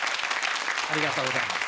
ありがとうございます。